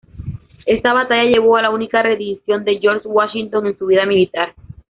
Esta batalla llevó a la única rendición de George Washington en su vida militar.